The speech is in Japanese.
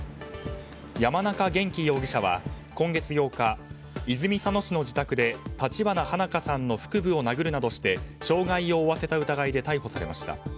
山中元稀容疑者は今月８日泉佐野市の自宅で立花花華さんの腹部を殴るなどして傷害を負わせた疑いで逮捕されました。